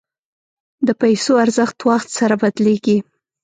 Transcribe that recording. د پیسو ارزښت وخت سره بدلېږي.